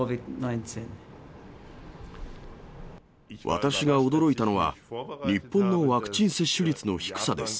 私が驚いたのは、日本のワクチン接種率の低さです。